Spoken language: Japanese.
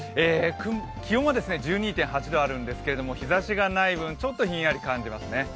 気温は１２．８度あるんですけど日ざしがない分、ちょっとひんやり感じますね。